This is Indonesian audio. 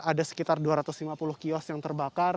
ada sekitar dua ratus lima puluh kios yang terbakar